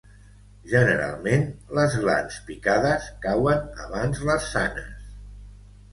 Generalment, les glans picades cauen abans les sanes.